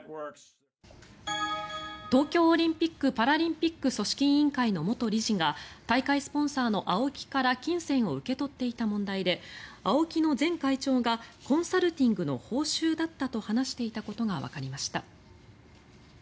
東京オリンピック・パラリンピック組織委員会の元理事が大会スポンサーのＡＯＫＩから金銭を受け取っていた問題でＡＯＫＩの前会長がコンサルティングの報酬だったと話していたことがわかりました。